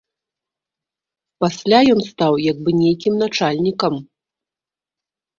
Пасля ён стаў як бы нейкім начальнікам.